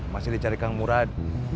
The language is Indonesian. masih dicari kang murad